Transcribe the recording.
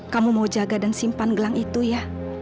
kamu mau jaga dan simpan gelang itu ya